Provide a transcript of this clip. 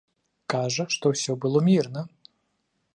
Кажа, што ўсё было мірна.